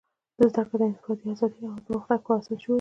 زدهکړه د انفرادي ازادۍ او پرمختګ لپاره اساس جوړوي.